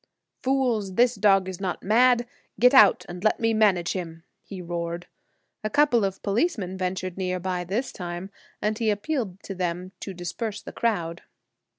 "Fools, this dog is not mad; get out and let me manage him," he roared. A couple of police ventured near by this time, and he appealed to them to disperse the crowd.